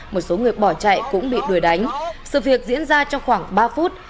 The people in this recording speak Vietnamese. một số người bỏ chạy cũng bị đuổi đánh sự việc diễn ra trong khoảng ba phút